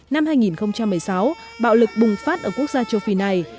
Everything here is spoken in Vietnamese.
năm hai nghìn một mươi sáu bạo lực bùng phát ở quốc gia châu phi này